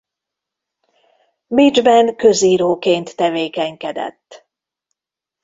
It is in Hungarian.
Bécsben közíróként tevékenykedett.